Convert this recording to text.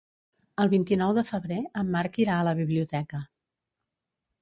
El vint-i-nou de febrer en Marc irà a la biblioteca.